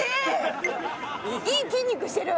いい筋肉してる！